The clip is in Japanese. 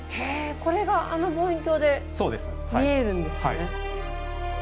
これがあの望遠鏡で見えるんですね。